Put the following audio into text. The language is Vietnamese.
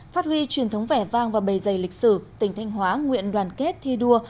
phát huy truyền thống vẻ vang và bề dày lịch sử tỉnh thanh hóa nguyện đoàn kết thi đua